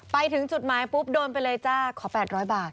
ไปถึงจุดมายปุ๊บโดนไปเลยจ้าขอแปดร้อยบาท